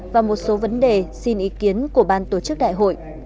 và một số vấn đề xin ý kiến của ban tổ chức đại hội